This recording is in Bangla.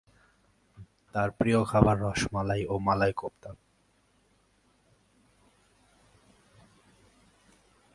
তার প্রিয় খাবার রস মালাই ও মালাই কোপ্তা।